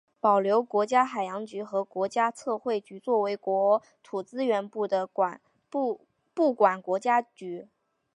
保留国家海洋局和国家测绘局作为国土资源部的部管国家局。